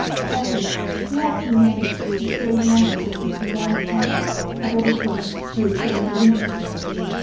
Also we have to remember that great numbers of Ujigami temples are dedicated to the same divinity.